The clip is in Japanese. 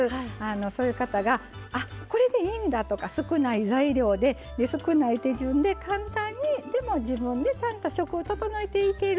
そういう方がこれでいいんだとか少ない材料で少ない手順で簡単に、でも自分でちゃんと食を整えていける。